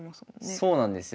そうなんですよ。